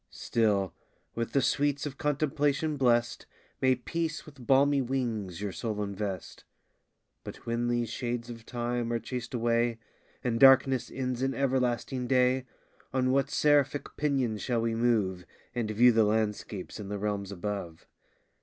Still, with the sweets of contemplation bless'd, May peace with balmy wings your soul invest! But when these shades of time are chas'd away, And darkness ends in everlasting day, On what seraphic pinions shall we move, And view the landscapes in the realms above?